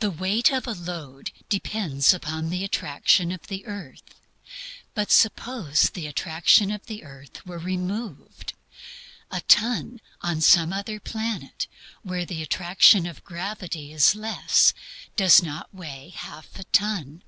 The weight of a load depends upon the attraction of the earth. Suppose the attraction of the earth were removed? A ton on some other planet, where the attraction of gravity is less, does not weigh half a ton.